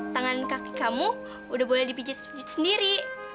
tangan kaki kamu udah boleh dipijit picit sendiri